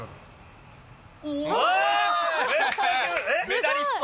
メダリスト。